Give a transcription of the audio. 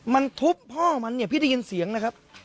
มันทุบพ่อมันเนี่ยพี่ได้ยินเสียงนะครับ